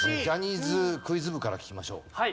ジャニーズクイズ部から聞きましょう。